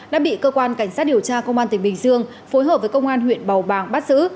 đã bị cơ quan cảnh sát điều tra công an tỉnh bình dương phối hợp với công an huyện bầu bàng bắt giữ